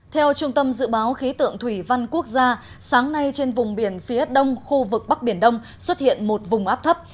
theo trung tâm dự báo khí tượng thủy văn quốc gia sáng nay trên vùng biển phía đông khu vực bắc biển đông xuất hiện một vùng áp thấp